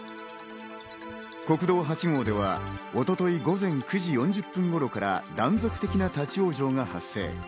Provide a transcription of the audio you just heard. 国道８号では一昨日午前９時４０分頃から、断続的な立ち往生が発生。